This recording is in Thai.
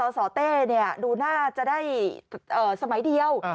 สเต้ดูน่าจะได้สมัยเดียว